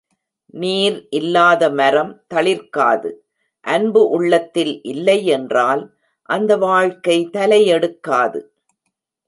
நீர் இல்லாத மரம் தளிர்க்காது அன்பு உள்ளத்தில் இல்லை என்றால் அந்த வாழ்க்கை தலை எடுக்காது.